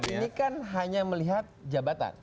ini kan hanya melihat jabatan